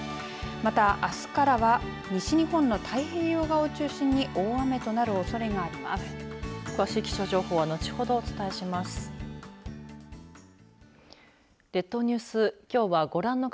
また、あすからは西日本の太平洋側を中心に大雨となるおそれがあります。